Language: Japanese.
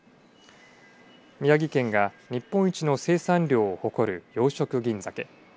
宮城県が日本一の生産量を誇る養殖銀ざけ。